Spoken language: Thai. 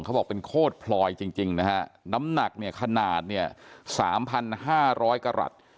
เขาบอกเป็นโคตรพลอยจริงจริงนะฮะน้ำหนักเนี่ยขนาดเนี่ยสามพันห้าร้อยกระหลัด